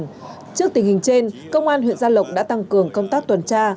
trước tình hình trên công an huyện gia lộc đã tăng cường công tác tuần tra